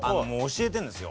やってるんですよ。